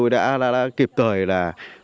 đã kịp thời là